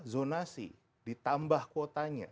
zonasi ditambah kuotanya